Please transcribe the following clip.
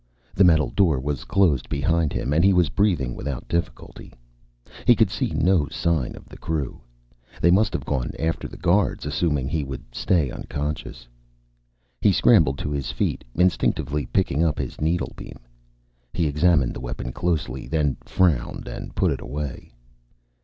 The metal door was closed behind him, and he was breathing without difficulty. He could see no sign of the crew. They must have gone after the guards, assuming he would stay unconscious. He scrambled to his feet, instinctively picking up his needlebeam. He examined the weapon closely, then frowned and put it away.